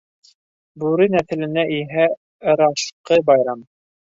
Бүре нәҫеленә иһә ырашҡы - байрам.